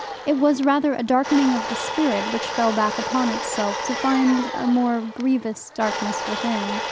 It was rather a darkening of the spirit which fell back upon itself, to find a more grievous darkness within.